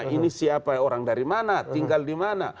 ini siapa orang dari mana tinggal di mana